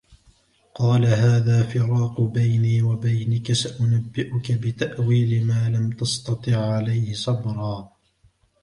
قَالَ هَذَا فِرَاقُ بَيْنِي وَبَيْنِكَ سَأُنَبِّئُكَ بِتَأْوِيلِ مَا لَمْ تَسْتَطِعْ عَلَيْهِ صَبْرًا